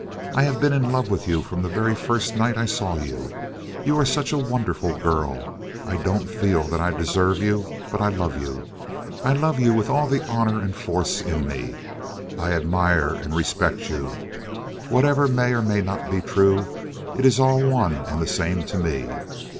I have been in love with you from the very first night I saw you. You are such a wonderful girl! I don't feel that I deserve you, but I love you. I love you with all the honor and force in me. I admire and respect you. Whatever may or may not be true, it is all one and the same to me.